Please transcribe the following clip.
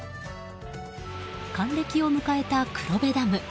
還暦を迎えた黒部ダム。